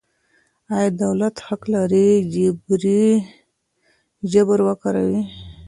آیا دولت حق لري جبر وکاروي؟